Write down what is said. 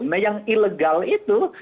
nah yang ilegal itu